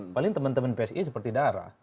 paling teman teman psi seperti darah